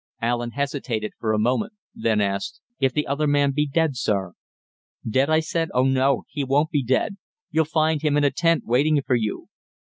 Allen hesitated for a moment; then asked: "If the other man be dead, sir?" "Dead?" I said. "Oh, no, he won't be dead. You'll find him in the tent waiting for you."